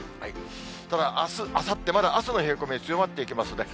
ただ、あす、あさって、まだ朝の冷え込み強まっていきますね。